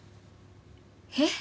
えっ？